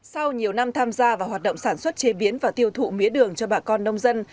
sau nhiều năm tham gia vào hoạt động sản xuất chế biến và tiêu thụ mía đường cho bà con nông dân